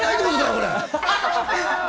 これ。